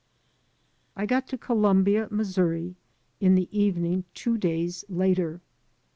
I got to Colmnbia, Missouri, in the evening two days later.